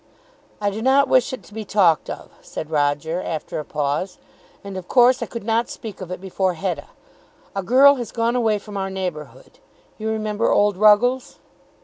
"I do not wish it to be talked of," said Roger after a pause, "and of course I could not speak of it before Hetta. A girl has gone away from our neighbourhood. You remember old Ruggles?"